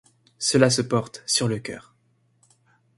Cela se porte sur le cœur.